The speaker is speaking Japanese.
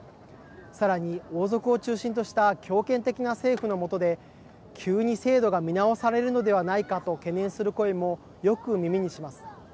さらに、王族を中心とした強権的な政府の下で急に制度が見直されるのではないかと懸念する声もよく耳にします。